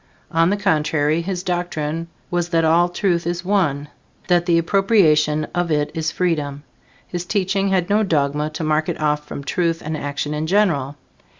On the contrary, his doctrine was that all truth is one, that the appropriation of it is freedom. His teaching had no dogma to mark it off from truth and action in general.